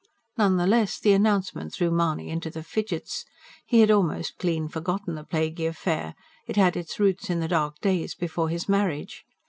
None the less, the announcement threw Mahony into the fidgets. He had almost clean forgotten the plaguey affair: it had its roots in the dark days before his marriage.